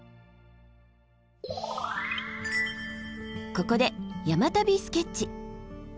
ここで「山旅スケッチ」。